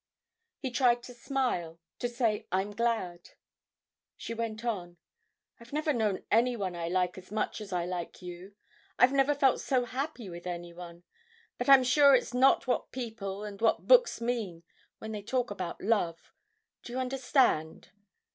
He tried to smile, to say "I'm glad." She went on. "I've never known anyone I like as much as I like you. I've never felt so happy with anyone. But I'm sure it's not what people and what books mean when they talk about love. Do you understand?